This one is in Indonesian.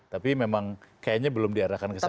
tapi memang kayaknya belum diarahkan ke sana